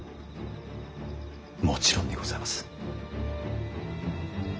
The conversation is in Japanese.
もちろんにございます。